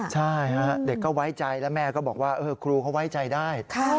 ใช่ฮะเด็กก็ไว้ใจแล้วแม่ก็บอกว่าครูเขาไว้ใจได้